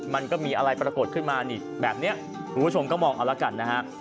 มันก็มีอะไรปรากฏขึ้นมานี่แบบนี้คุณผู้ชมก็มองเอาละกันนะฮะ